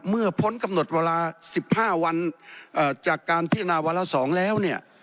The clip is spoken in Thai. เมื่อพ้นกำหนดเวลา๑๕วันจากการพิจารณาวัลสองแล้ว